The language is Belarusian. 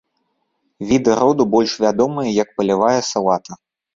Віды роду больш вядомыя як палявая салата.